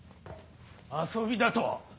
遊びだと？